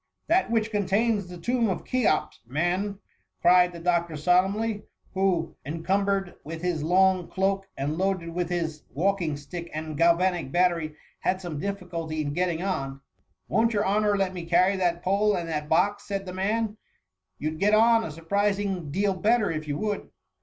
" That which contains the tomb of Cheops, man !" cried the doctor solemnly ; who, encum bered with his long cloak, and loaded with his X 5 SOS THE HUMMT. walking stick and galvanic battery, had some difiSculty in getting on. *^ Wotft your honour let me carry that pole and that box?'' said the man; " you'd get on a surprising deal better, if you would."